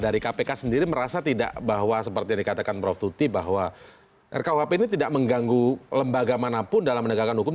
dari kpk sendiri merasa tidak bahwa seperti yang dikatakan prof tuti bahwa rkuhp ini tidak mengganggu lembaga manapun dalam menegakkan hukum